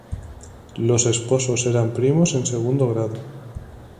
Los esposos eran primos en segundo grado.